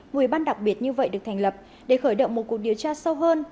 một ủy ban đặc biệt như vậy được thành lập để khởi động một cuộc điều tra sâu hơn